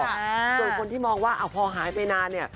ส่วนคนที่มองว่าพอหายไปนานเนี่ย